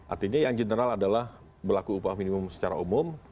artinya yang general adalah berlaku upah minimum secara umum